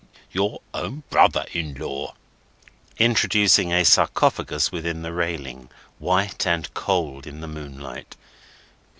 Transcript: —Your own brother in law;" introducing a sarcophagus within the railing, white and cold in the moonlight.